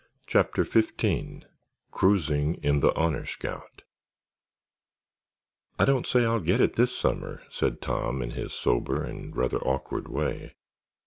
CHAPTER XV CRUISING IN THE "HONOR SCOUT" "I don't say I'll get it this summer," said Tom in his sober and rather awkward way.